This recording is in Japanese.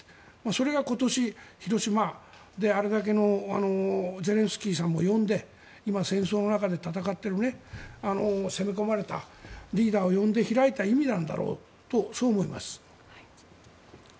それが今年、広島であれだけのゼレンスキーさんも呼んで今、戦争の中で戦っている攻め込まれたリーダーを呼んで開いた意味なんだろうとそう思います。